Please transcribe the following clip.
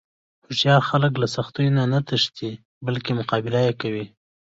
هوښیار خلک له سختیو نه تښتي نه، بلکې مقابله یې کوي.